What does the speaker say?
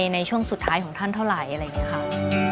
ในช่วงสุดท้ายของท่านเท่าไหร่อะไรอย่างนี้ค่ะ